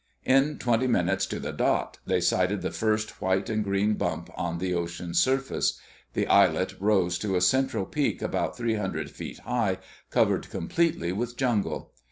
In twenty minutes to the dot they sighted the first white and green bump on the ocean's surface. The islet rose to a central peak about three hundred feet high, covered completely with jungle.